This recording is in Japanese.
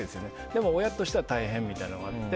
でも親としては大変みたいなのもあって。